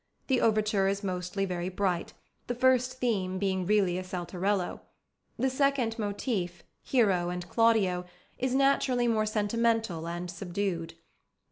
The overture is mostly very bright, the first theme being really a saltarello. The second motif, Hero and Claudio, is naturally more sentimental and subdued.